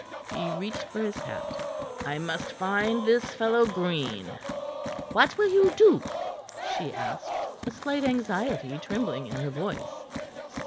He reached for his hat. "I must find this fellow Green." "What will you do?" she asked, a slight anxiety trembling in her voice.